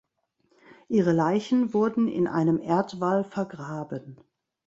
Ihre Leichen wurden in einem Erdwall vergraben.